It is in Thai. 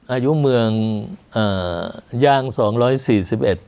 อายุเมืองย่าง๒๔๑ปี